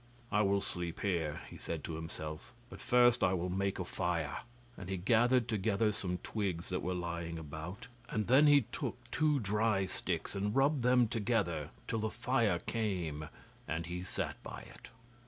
'I will sleep here,' he said to himself, 'but first I will make a fire,' And he gathered together some twigs that were lying about, and then took two dry sticks and rubbed them together till the fire came, and he sat by it.